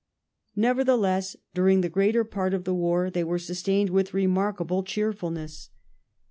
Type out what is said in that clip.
Nevertheless, during the greater part of the war they were sustained with remarkable cheerfulness.